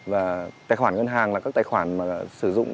và tài khoản ngân hàng là các tài khoản mà sử dụng